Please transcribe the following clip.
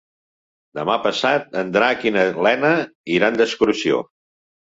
Demà passat en Drac i na Lena iran d'excursió.